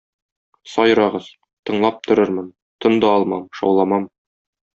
Сайрагыз, тыңлап торырмын, тын да алмам, шауламам.